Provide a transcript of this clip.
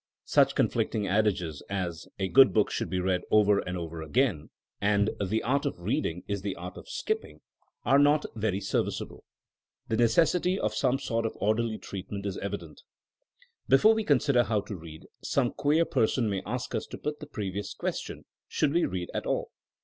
Such conflicting adages as A good book should be read over and over again'*; and The art of reading is the art of skipping, are not THINEma AS A SCIENCE 137 very serviceable. The necessity of some sort of orderly treatment is evident. Before we consider how to read, some queer person may ask us to put the previous ques tion, "Should we read at all!'